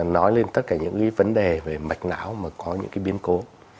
nói lên tất cả những vấn đề về mạch não mà có những biến cố